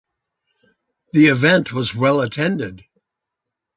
The event was well attended.